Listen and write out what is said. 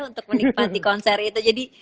untuk menikmati konser itu jadi